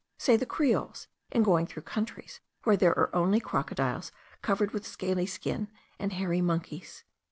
say the Creoles, in going through countries where there are only crocodiles covered with a scaly skin, and hairy monkeys.)